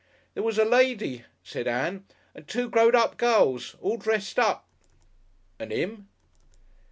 _" "There was a lady," said Ann, "and two growed up gals all dressed up!" "And 'im?"